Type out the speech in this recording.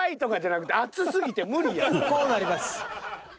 こうなります。